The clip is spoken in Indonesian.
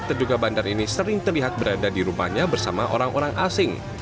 terduga bandar ini sering terlihat berada di rumahnya bersama orang orang asing